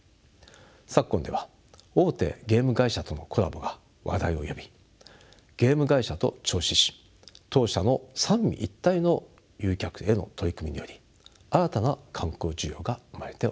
昨今では大手ゲーム会社とのコラボが話題を呼びゲーム会社と銚子市当社の三位一体の誘客への取り組みにより新たな観光需要が生まれております。